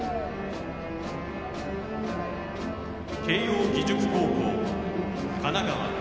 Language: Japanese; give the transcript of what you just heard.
慶応義塾高校・神奈川。